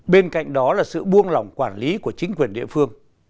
bên cạnh đó là sự buông lỏng quản lý của chính quyền địa phương